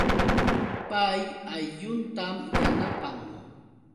Pay aylluntam yanapan